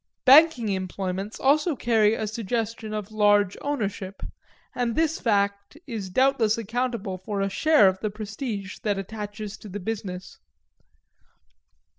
Banking employments also carry a suggestion of large ownership, and this fact is doubtless accountable for a share of the prestige that attaches to the business.